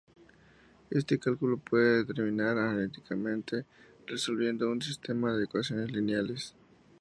Este cálculo se puede determinar analíticamente resolviendo un sistema de ecuaciones lineales.